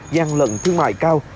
gian lận thương mại cao